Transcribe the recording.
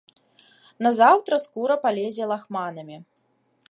Назаўтра скура палезе лахманамі.